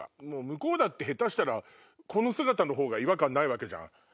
向こうだって下手したらこの姿のほうが違和感ないじゃん。